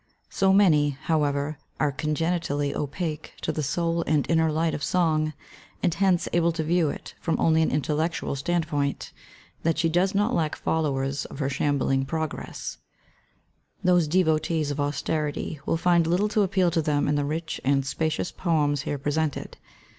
So many, however, are congenitally opaque to "the soul and inner light of song,^^ and hence able to view it from only an intelledtual standpoint, that she does not lack followers of her shambling "progress/^ Those devotees of austerity will find little to appeal to them in the rich and spacious poems here presented.